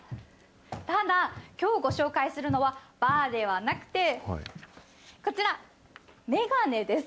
ただ、きょうご紹介するのは、バーではなくて、こちら、メガネです。